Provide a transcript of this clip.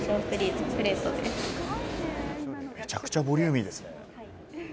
めちゃくちゃボリューミーですね。